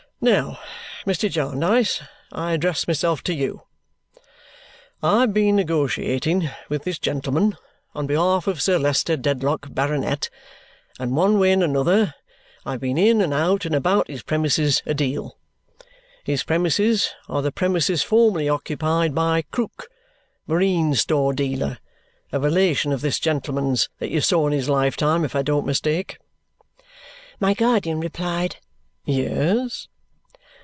Now, Mr. Jarndyce, I address myself to you. I've been negotiating with this gentleman on behalf of Sir Leicester Dedlock, Baronet, and one way and another I've been in and out and about his premises a deal. His premises are the premises formerly occupied by Krook, marine store dealer a relation of this gentleman's that you saw in his lifetime if I don't mistake?" My guardian replied, "Yes."